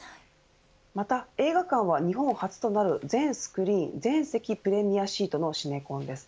また映画館は日本初となる全スクリーン全席プレミアシートのシネコンです。